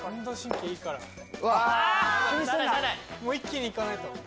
もう一気にいかないと。